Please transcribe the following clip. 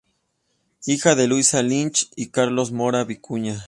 Hija de Luisa Lynch y Carlos Morla Vicuña.